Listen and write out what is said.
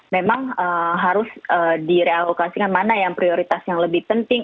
memang harus direalokasikan mana yang prioritas yang lebih penting